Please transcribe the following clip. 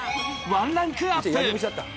１ランクアップ。